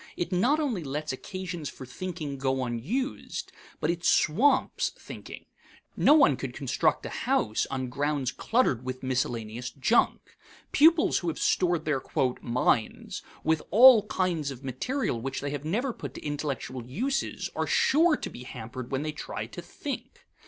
It not only lets occasions for thinking go unused, but it swamps thinking. No one could construct a house on ground cluttered with miscellaneous junk. Pupils who have stored their "minds" with all kinds of material which they have never put to intellectual uses are sure to be hampered when they try to think.